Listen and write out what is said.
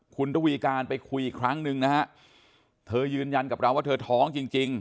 คุณระวีการไปคุยอีกครั้งหนึ่งนะฮะเธอยืนยันกับเราว่าเธอท้องจริงจริง